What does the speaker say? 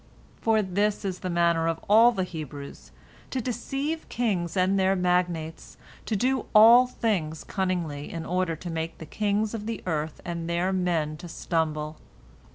For this is the manner of all the Hebrews, to deceive kings and their magnates, to do all things cunningly in order to make the kings of the earth and their men to stumble.